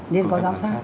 nên có giám sát